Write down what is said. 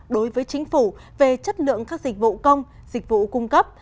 đối với chính phủ về chất lượng các dịch vụ công dịch vụ cung cấp